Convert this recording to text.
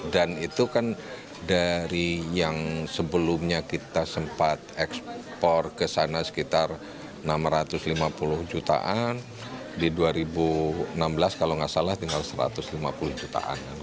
dan itu kan dari yang sebelumnya kita sempat ekspor ke sana sekitar enam ratus lima puluh jutaan di dua ribu enam belas kalau tidak salah tinggal satu ratus lima puluh jutaan